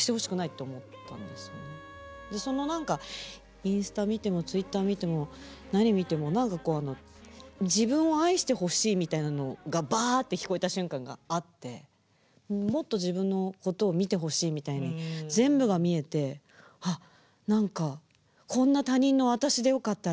その何かインスタ見てもＴｗｉｔｔｅｒ見ても何見ても何かこう自分を愛してほしいみたいなのがバーッて聞こえた瞬間があってもっと自分のことを見てほしいみたいに全部が見えてあっ何かこんな他人の私でよかったら愛しますって思ったんです。